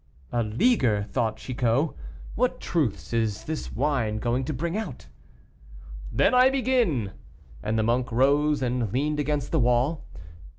"A leaguer," thought Chicot: "what truths is this wine going to bring out?" "Then I begin." And the monk rose, and leaned against the wall.